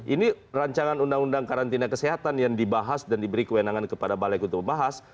ini ruu karantina kesehatan yang dibahas dan diberi kewenangan kepada balai kutub pembahas